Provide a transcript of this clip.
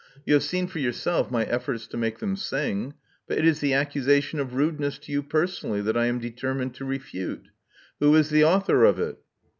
You have seen for yourself my efforts to make them sing. But it is the accusation of rudeness to you personally that I am determined to refute. Who is the author of it?"